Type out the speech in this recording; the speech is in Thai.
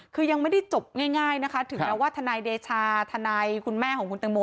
คือยังไม่ได้จบง่ายนะคะถึงแม้ว่าทนายเดชาทนายคุณแม่ของคุณตังโม